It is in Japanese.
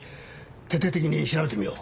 徹底的に調べてみよう。